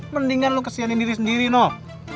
mendingan lo kesianin diri sendiri noh